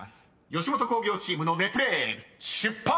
吉本興業チームのネプレール出発！］